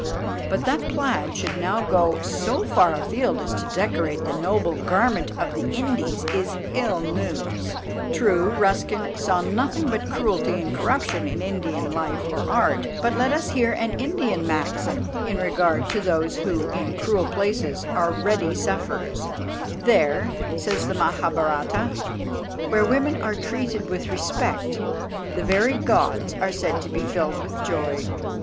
But that plaid should now go so far afield as to decorate the noble garment of the Indies is ill news. True, Ruskin saw nothing but cruelty and corruption in Indian life or art; but let us hear an Indian maxim in regard to those who, in cruel places, are ready sufferers: "There," says the Mahabharata, "where women are treated with respect, the very gods are said to be filled with joy.